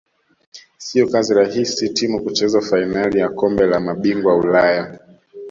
siyo kazi rahis timu kucheza fainali ya kombe la mabingwa ulaya